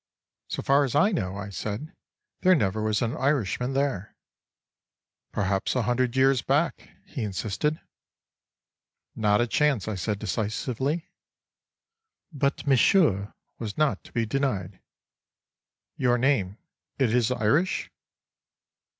—"So far as I know," I said, "there never was an Irishman there."—"Perhaps a hundred years back?" he insisted.—"Not a chance," I said decisively. But Monsieur was not to be denied: "Your name it is Irish?"